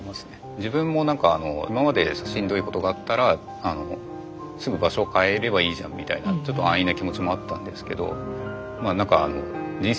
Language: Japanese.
自分も何か今までしんどいことがあったらすぐ場所を変えればいいじゃんみたいなちょっと安易な気持ちもあったんですけどまあ何かあの人生